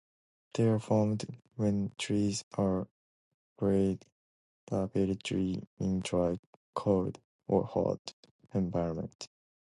They are formed when trees are buried rapidly in dry cold or hot environments.